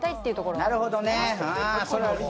なるほどね。